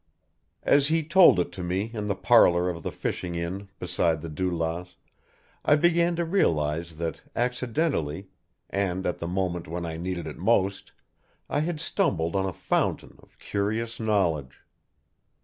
As he told it to me in the parlour of the fishing inn beside the Dulas, I began to realise that accidentally, and at the moment when I needed it most, I had stumbled on a fountain of curious knowledge.